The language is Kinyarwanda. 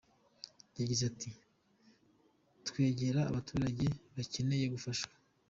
Yagize ati “Twegera abaturage bakeneye gufashwa.